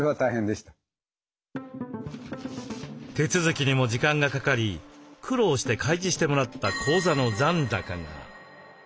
手続きにも時間がかかり苦労して開示してもらった口座の残高が。